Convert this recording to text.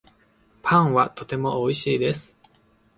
パンはとてもおいしいです